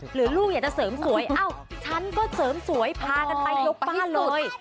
หรือลูกอยากจะเสริมสวยเอ้าฉันก็เสริมสวยพากันไปยกบ้านเลย